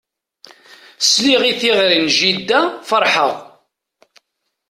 Sliɣ i teɣri n jidda ferḥeɣ.